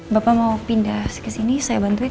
bapak mau pindah kesini saya bantuin